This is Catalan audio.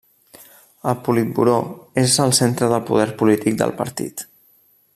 El Politburó és el centre del poder polític del Partit.